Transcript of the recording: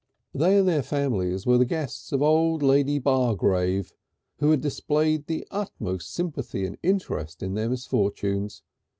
They and their families were the guests of old Lady Bargrave, who had displayed the utmost sympathy and interest in their misfortunes.